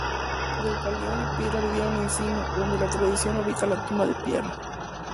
Deucalión y Pirra vivieron en Cino, donde la tradición ubica la tumba de Pirra.